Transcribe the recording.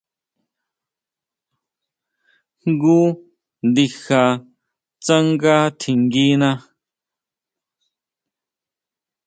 Jngu ndija tsanga tjinguina.